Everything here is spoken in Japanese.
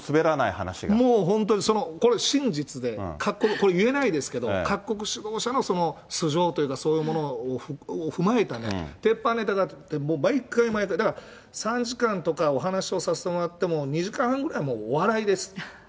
もう本当に、これ真実で、これ、言えないですけど、各国指導者の素性というか、そういうものを踏まえた、鉄板ネタがあって、毎回毎回、だから、３時間とか、お話をさせてもらっても、２時間半ぐらい、もう、お笑いです。